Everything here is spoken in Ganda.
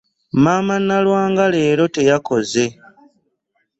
Maama Nalwanga leero teyakoze?